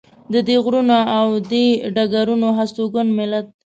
د دې غرونو او دې ډګرونو هستوګن ملت.